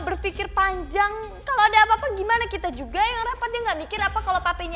berpikir panjang kalau ada apa apa gimana kita juga yang rapat ya nggak mikir apa kalau papenya